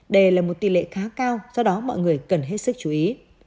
đây là một tỷ lệ khá cao do đó mọi người cần hết sức chú ý